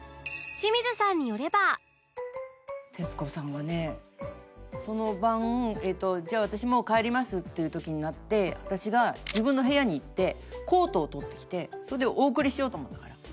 徹子さんはねその晩「じゃあ私もう帰ります」っていう時になって私が自分の部屋に行ってコートを取ってきてそれでお送りしようと思ったから。